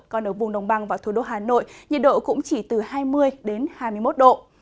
còn ở vùng đồng bằng và thủ đô hà nội nhiệt độ cũng chỉ từ hai mươi hai mươi một độ